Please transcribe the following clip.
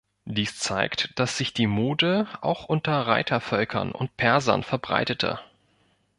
Dies zeigt, dass sich die Mode auch unter Reitervölkern und Persern verbreitete.